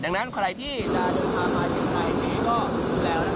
ดังนั้นใครที่จะเดินทางมาถึงไทยนี้ก็รู้แล้ว